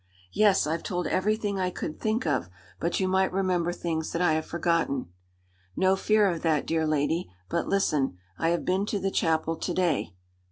"Yes. I've told everything I could think of; but you might remember things that I have forgotten." "No fear of that, dear lady. But listen: I have been to the chapel to day."